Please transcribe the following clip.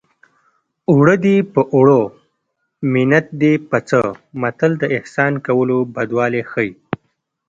اوړه دې په اوړه منت دې په څه متل د احسان کولو بدوالی ښيي